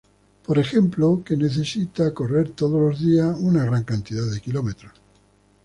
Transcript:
Por ejemplo que necesita correr todos los días una gran cantidad de kilómetros.